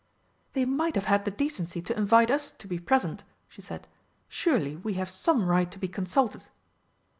"They might have had the decency to invite us to be present," she said. "Surely we have some right to be consulted!"